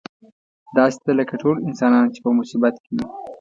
داسې ده لکه ټول انسانان چې په مصیبت کې وي.